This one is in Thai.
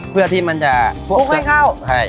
เพื่อที่มันจะคลุกให้เข้าใช่